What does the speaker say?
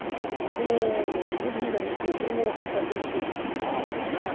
この付属品が３つでそれも羽生さんは全部取ったんです。